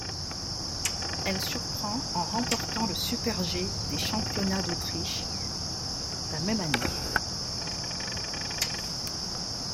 Elle surprend en remportant le super G des Championnats d'Autriche la même année.